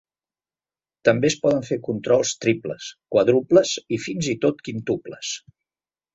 També es poden fer controls triples, quàdruples i fins i tot quíntuples.